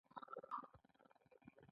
بسته بندي د تفتیش وروسته کېږي.